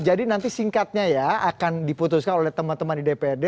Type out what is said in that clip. jadi nanti singkatnya ya akan diputuskan oleh teman teman di dprd